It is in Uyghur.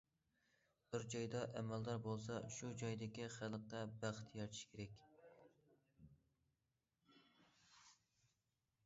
‹‹ بىر جايدا ئەمەلدار بولسا شۇ جايدىكى خەلققە بەخت يارىتىش كېرەك››.